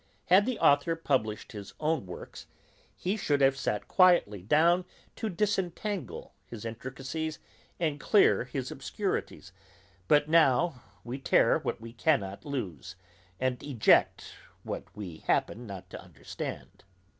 Had the author published his own works, we should have sat quietly down to disentangle his intricacies, and clear his obscurities; but now we tear what we cannot loose, and eject what we happen not to understand.